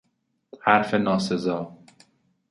حرف ناسزا